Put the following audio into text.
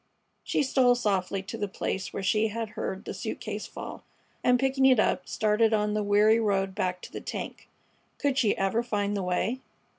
She stole softly to the place where she had heard the suit case fall, and, picking it up, started on the weary road back to the tank. Could she ever find the way?